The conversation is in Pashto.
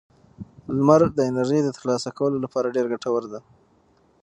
لمر د انرژۍ د ترلاسه کولو لپاره ډېر ګټور دی.